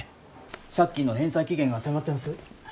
借金の返済期限が迫ってます。